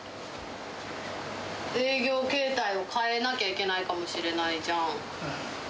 営業形態を変えなきゃいけないかもしれないじゃん。